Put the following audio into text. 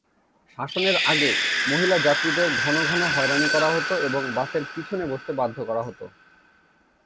শাসনের আগে, মহিলা যাত্রীদের ঘন ঘন হয়রানি করা হত এবং বাসের পিছনে বসতে বাধ্য করা হত।